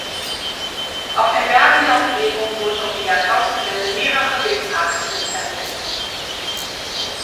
Auf den Bergen der Umgebung wurden um die Jahrtausendwende mehrere Windparks installiert.